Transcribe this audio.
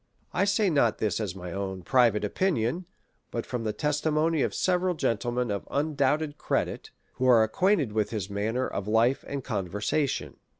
I say not this as my own private opinion, but from the testimony of several gentlemen of un doubted credit, who are acquainted with his manner of life and conversation.